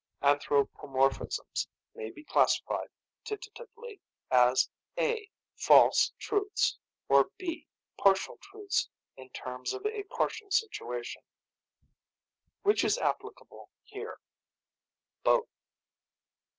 "Anthropomorphisms may be classified, tentatively, as, A, false truths, or B, partial truths in terms of a partial situation." "Which is applicable here?" "Both."